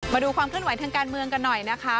มาดูความเคลื่อนไหวทางการเมืองกันหน่อยนะคะ